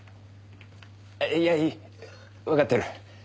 いやいいわかってる。